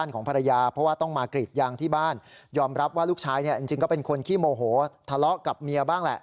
ก็เป็นคนที่โมโหทะเลาะกับเมียบ้างแหละ